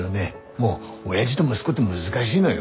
もうおやじど息子って難しいのよ。